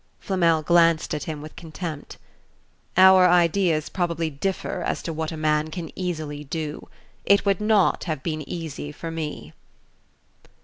Flamel glanced at him with contempt. "Our ideas probably differ as to what a man can easily do. It would not have been easy for me."